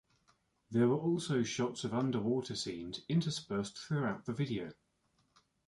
There are also shots of underwater scenes interspersed throughout the video.